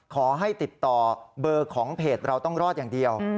ขอให้ติดต่อเบอร์ของเพจเราต้องรอดอย่างเดียว